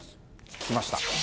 聞きました。